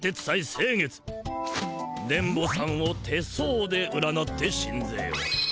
星月電ボさんを手相で占ってしんぜよう。